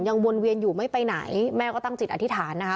วนเวียนอยู่ไม่ไปไหนแม่ก็ตั้งจิตอธิษฐานนะคะ